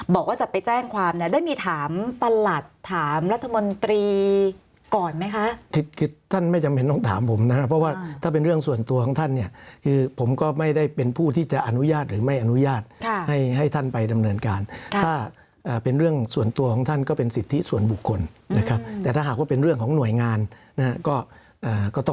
บอกว่าจะไปแจ้งความเนี่ยได้มีถามประหลัดถามรัฐมนตรีก่อนไหมคะเพราะว่าถ้าเป็นเรื่องส่วนตัวของท่านเนี่ยคือผมก็ไม่ได้เป็นผู้ที่จะอนุญาตหรือไม่อนุญาตให้ให้ท่านไปดำเนินการถ้าเป็นเรื่องส่วนตัวของท่านก็เป็นสิทธิส่วนบุคคลนะครับแต่ถ้าหากว่าเป็นเรื่องของหน่วยงานนะฮะ